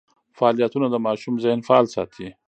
فعالیتونه د ماشوم ذهن فعال ساتي.